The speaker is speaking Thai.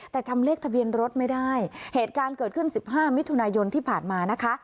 แต่จำเลขทะเบียนรถไม่ได้เหตุการณ์เกิดขึ้นสิบห้ามิถุนายนที่ผ่านมานะคะ